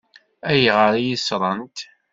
Ayɣer i yi-ṣṣṛent?